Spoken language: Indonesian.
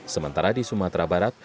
sementara di sumatera barat